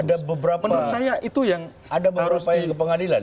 ada beberapa yang harus dipengadilan